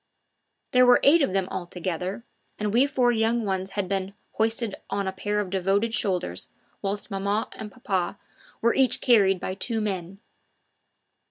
There were eight of them altogether, and we four young ones had each been hoisted on a pair of devoted shoulders, whilst maman and papa were each carried by two men.